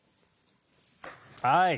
はい。